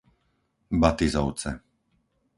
Batizovce